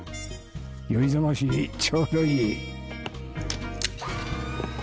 酔い覚ましにちょうどいい。